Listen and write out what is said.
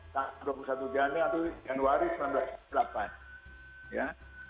dua puluh satu januari atau januari seribu sembilan ratus delapan puluh delapan ya